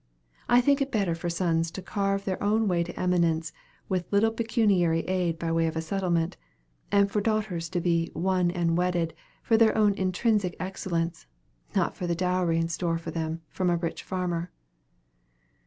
I think it better for sons to carve their own way to eminence with little pecuniary aid by way of a settlement; and for daughters to be 'won and wedded' for their own intrinsic excellence, not for the dowry in store for them from a rich father."